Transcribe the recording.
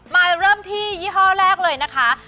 มาเริ่มที่ยี่ห้อแรกเลยนะคะ